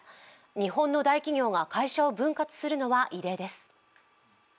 日本の大企業が会社を分割するのは異例です。